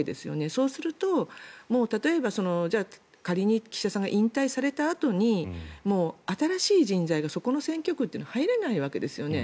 そうすると例えば仮に岸田さんが引退されたあとに新しい人材がそこの選挙区には入れないわけですよね。